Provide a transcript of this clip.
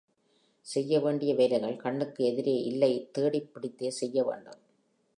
செய்ய வேண்டிய வேலைகள் கண்ணுக்கு எதிரே இல்லை தேடிப் பிடித்துே செய்யவேண்டும்.